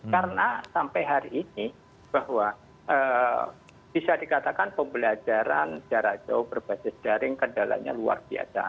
karena sampai hari ini bahwa bisa dikatakan pembelajaran jarak jauh berbasis daring kendalanya luar biasa